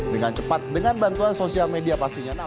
dengan cepat dengan bantuan sosial media pastinya